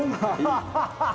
ハハハハッ！